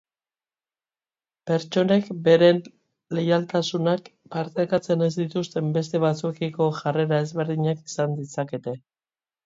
Pertsonek beren leialtasunak partekatzen ez dituzten beste batzuekiko jarrera ezberdinak izan ditzakete.